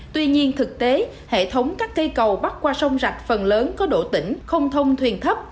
tuy nhiên thực tế hệ thống các cây cầu bắt qua sông rạch phần lớn có độ tỉnh không thông thuyền thấp